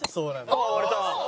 ああ割れた。